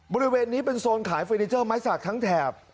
บริเวณนี้เป็นโซนขายเฟอร์นิเจอร์ไม้สักทั้งแถบ